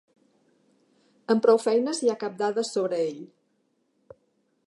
Amb prou feines hi ha cap dada sobre ell.